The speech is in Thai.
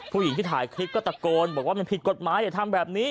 ผู้หญิงที่ถ่ายคลิปก็ตะโกนบอกว่ามันผิดกฎหมายอย่าทำแบบนี้